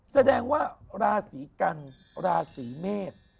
แสดงว่าราศีกันราศีเมษ